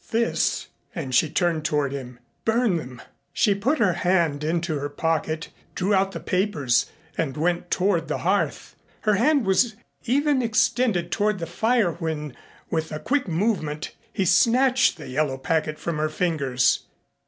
"This," and she turned toward him "burn them." She put her hand into her pocket, drew out the papers and went toward the hearth. Her hand was even extended toward the fire when, with a quick movement, he snatched the yellow packet from her fingers.